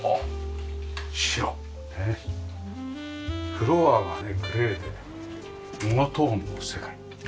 フロアがねグレーでモノトーンの世界。